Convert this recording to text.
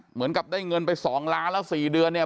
เหมือนกับได้เงินไป๒ล้านแล้ว๔เดือนเนี่ย